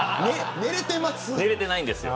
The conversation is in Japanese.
寝れてないんです